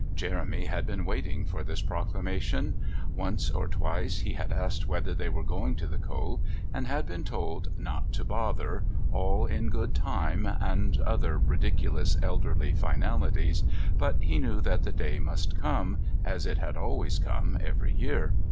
Jeremy had been waiting for this proclamation; once or twice he had asked whether they were going to the Cove and had been told "not to bother," "all in good time," and other ridiculous elderly finalities, but he knew that the day must come, as it had always come every year.